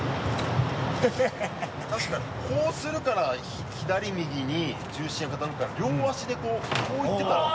確かにこうするから左右に重心が傾くから両足でこうこう行ってたら。